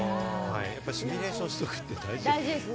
シミュレーションしておくことが大事ですね。